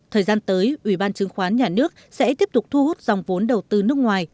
thời gian tới ủy ban chứng khoán nhà nước sẽ tiếp tục thu hút dòng vốn đầu tư nước ngoài